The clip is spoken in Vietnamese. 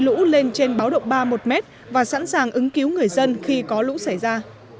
lũ lên trên báo động ba mươi một m và sẵn sàng ứng cứu người dân khi có lũ xảy ra